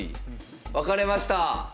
分かれました！